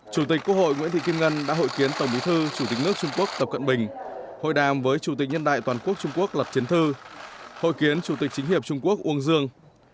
chủ tịch quốc hội nguyễn thị kim ngân đã hội kiến tổng bí thư chủ tịch nước trung quốc tập cận bình hội đàm với chủ tịch nhân đại toàn quốc trung quốc lập chiến thư hội kiến chủ tịch chính hiệp trung quốc uông dương